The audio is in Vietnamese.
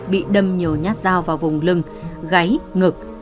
bị đâm nhiều nhát dao vào vùng lưng gáy ngực